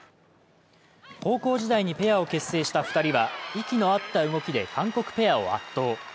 高校時代にペアを結成した２人は息の合った動きで韓国ペアを圧倒。